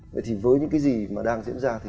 vậy thì với những cái gì mà đang diễn ra thì